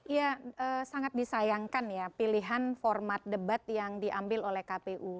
ya sangat disayangkan ya pilihan format debat yang diambil oleh kpu